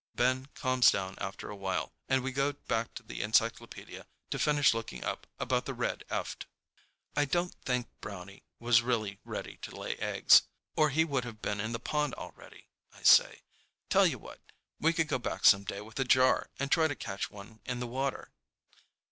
Ben calms down after a while, and we go back to the encyclopedia to finish looking up about the Red Eft. "I don't think Brownie was really ready to lay eggs, or he would have been in the pond already," I say. "Tell you what. We could go back some day with a jar and try to catch one in the water."